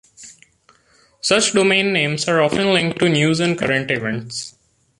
Such domain names are often linked to news and current events.